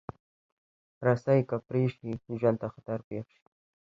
رسۍ که پرې شي، ژوند ته خطر پېښ شي.